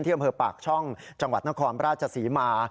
เที่ยงเผยปากช่องจังหวัดนครราชศรีมา